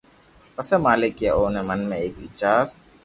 پسي مالڪ اي اوري من ۾ ايڪ ويچار